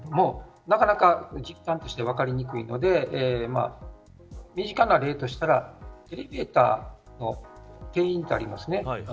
なかなか実感としては分かりづらいので身近な例としたらエレベーターの定員がありますよね。